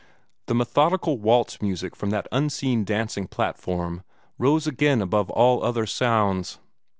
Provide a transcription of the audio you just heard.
The methodical waltz music from that unseen dancing platform rose again above all other sounds.